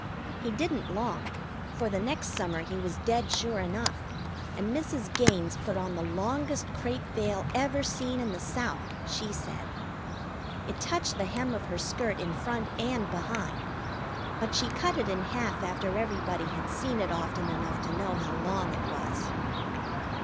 He didn't long, for the next summer he was dead sure enough, and Mrs. Gaines put on the longest crêpe veil ever seen in the South, she said. It touched the hem of her skirt in front and behind; but she cut it in half after everybody had seen it often enough to know how long it was.